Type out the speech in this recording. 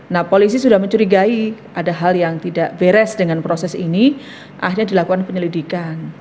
nah polisi sudah mencurigai ada hal yang tidak beres dengan proses ini akhirnya dilakukan penyelidikan